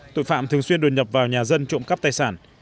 tội phạm thường xuyên đột nhập vào nhà dân trộm cắp tài sản